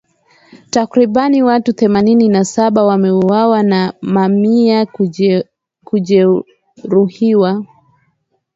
Takribani watu themanini na saba wameuawa na mamia kujeruhiwa